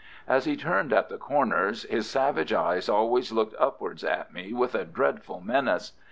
As he turned at the corners his savage eyes always looked upwards at me with a dreadful menace.